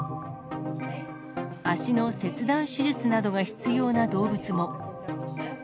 脚の切断手術などが必要な動物も。